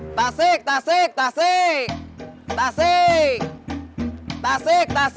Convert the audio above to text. kelapa kelapa kelapa